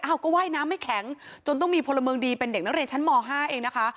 ก็ว่ายน้ำไม่แข็งจนต้องมีพลเมืองดีเป็นเด็กนักเรียนชั้นม๕เองนะคะ